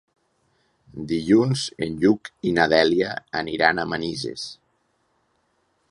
Dilluns en Lluc i na Dèlia aniran a Manises.